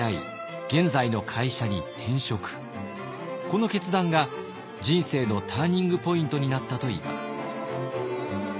この決断が人生のターニングポイントになったといいます。